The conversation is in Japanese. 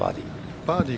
バーディー。